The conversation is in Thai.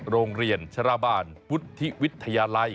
โรงเรียนชราบาลวุฒิวิทยาลัย